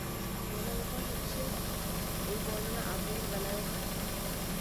মজার ব্যাপার হচ্ছে, এই বর্ণনা আজমলের বেলায়ও খাটে।